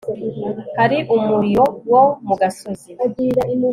hari umuriro wo mu gasozi